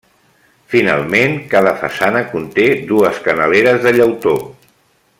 Finalment, cada façana conté dues canaleres de llautó.